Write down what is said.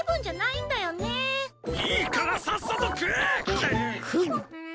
いいからさっさと食え。